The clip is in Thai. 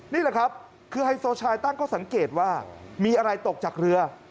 นี่แหละครับคือไฮโซชายตั้งข้อสังเกตว่ามีอะไรตกจากเรือ